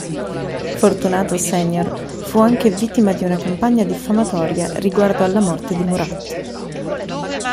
Fortunato senior fu anche vittima di una campagna diffamatoria riguardo alla morte di Murat.